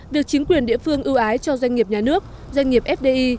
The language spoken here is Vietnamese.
việc chính quyền địa phương ưu ái cho doanh nghiệp nhà nước doanh nghiệp fdi